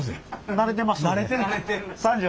慣れてますので。